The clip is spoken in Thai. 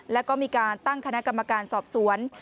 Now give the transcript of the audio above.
แล้วก็มีการตั้งคณะกรรมการสอบสวน